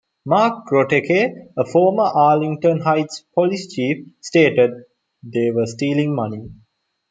Mark Groteke, a former Arlington Heights police chief, stated, They were stealing money.